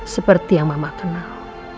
seperti yang mama kenal